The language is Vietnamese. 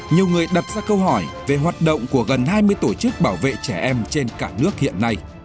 nhiều người đặt ra câu hỏi về hoạt động của gần hai mươi tổ chức bảo vệ trẻ em trên cả nước hiện nay